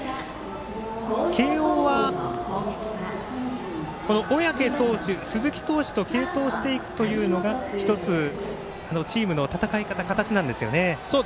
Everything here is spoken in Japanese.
慶応は、小宅投手鈴木投手と継投していくというのがチームの戦い方、形なんですよね。